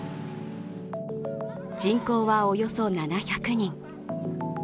人口はおよそ７００人。